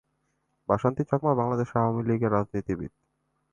বাসন্তী চাকমা বাংলাদেশ আওয়ামী লীগের রাজনীতিবিদ।